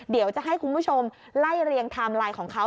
เดี๋ยวจะให้คุณผู้ชมไล่เรียงไทม์ไลน์ของเขา